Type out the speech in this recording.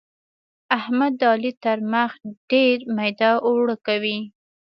احمد د علي تر مخ ډېر ميده اوړه کوي.